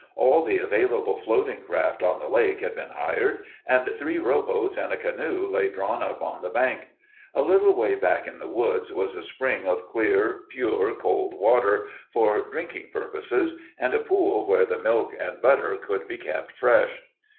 All the available floating craft on the lake had been hired, and three rowboats and a canoe lay drawn up on the bank. A little way back in the woods was a spring of clear, pure, cold water for drinking purposes, and a pool where the milk and butter could be kept fresh.